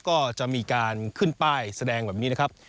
ก็จะมีการขึ้นป้ายแสดงแบบนี้นะครับ